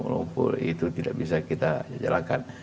lumpur itu tidak bisa kita jalankan